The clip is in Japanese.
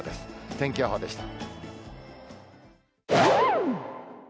天気予報でした。